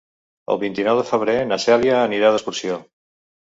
El vint-i-nou de febrer na Cèlia anirà d'excursió.